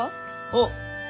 あっ！